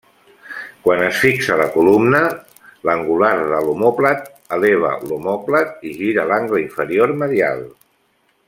Quan es fixa la columna, l'angular de l'omòplat eleva l'omòplat i gira l'angle inferior medial.